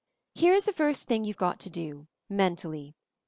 Here is the first thing you've got to do — mentally.